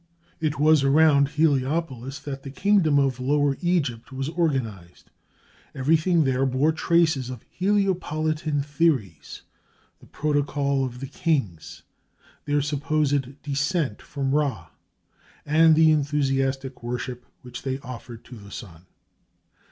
It was around Heliopolis that the kingdom of Lower Egypt was organized; everything there bore traces of Heliopolitan theories the protocol of the kings, their supposed descent from Ra, and the enthusiastic worship which they offered to the sun.